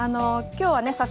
今日はね